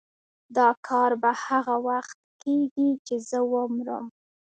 دا کار به هغه وخت کېږي چې زه ومرم.